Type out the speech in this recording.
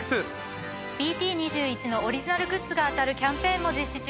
ＢＴ２１のオリジナルグッズが当たるキャンペーンも実施中です。